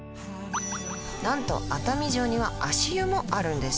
なんと熱海城には足湯もあるんです